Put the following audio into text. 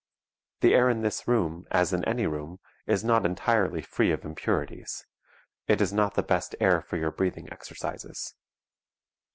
The air in this room, as in any room, is not entirely free of impurities; it is not the best air for your breathing exercises.